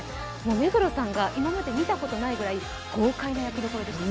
目黒さんが今まで見たことないぐらい豪快な役でした。